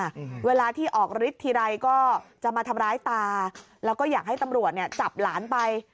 อืมเวลาที่ออกฤทธิ์ทีไรก็จะมาทำร้ายตาแล้วก็อยากให้ตำรวจเนี้ยจับหลานไป